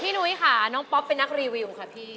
นุ้ยค่ะน้องป๊อปเป็นนักรีวิวค่ะพี่